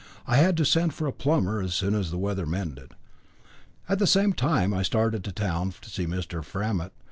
I had to send for a plumber as soon as the weather mended. At the same time I started for town to see Mr. Framett.